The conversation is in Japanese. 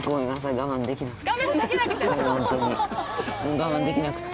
我慢できなくて？